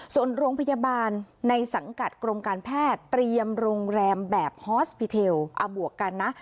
ส่วนโรงพยาบาลในสังกัดกรมการแพทย์เตรียมโรงแรมแบบฮอสปิเทลบวกกันนะ